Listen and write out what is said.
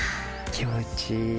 気持ちいい。